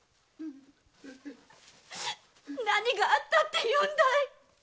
何があったっていうんだい